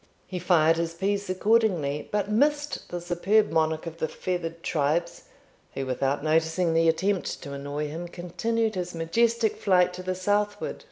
He fired his piece accordingly, but missed the superb monarch of the feathered tribes, who, without noticing the attempt to annoy him, continued his majestic flight to the southward.